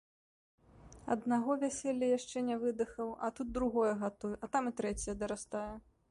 Аднаго вяселля яшчэ не выдыхаў, а тут другое гатуй, а там і трэцяе дарастае.